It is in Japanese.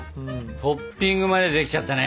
トッピングまで出来ちゃったね。